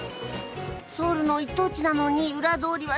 ソウルの一等地なのに裏通りは庶民的。